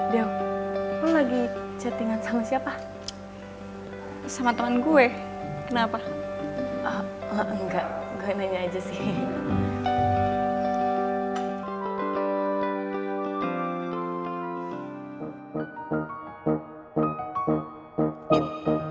dewi lo lagi curhatan sama siapa